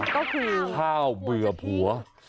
ก็คือข้าวเหลือหัว